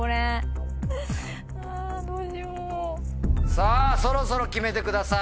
さぁそろそろ決めてください！